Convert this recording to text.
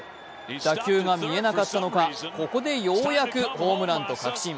打球が見えなかったのか、ここでようやくホームランを確信。